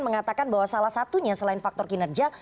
mengatakan bahwa salah satunya selain faktor kinerja